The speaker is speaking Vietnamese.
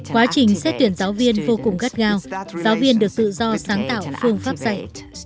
quá trình xét tuyển giáo viên vô cùng gắt gao giáo viên được tự do sáng tạo phương pháp dạy